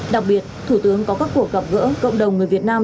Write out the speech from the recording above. đặc biệt thủ tướng có các cuộc gặp gỡ cộng đồng người việt nam